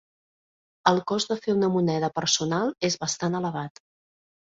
El cost de fer una moneda personal és bastant elevat.